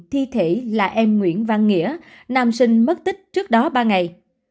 thi thể là em nguyễn văn nghĩa nam sinh mất tích trước đó ba ngày